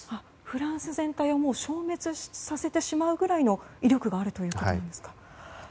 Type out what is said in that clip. フランス全体をもう消滅させてしまうくらいの威力があるということですか。